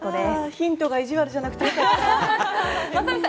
ヒントが意地悪じゃなくてよかった。